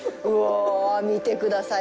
見てください。